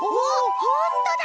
ほんとだ！